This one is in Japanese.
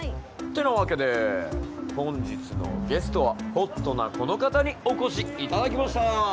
てなわけで本日のゲストはホットなこの方にお越しいただきました。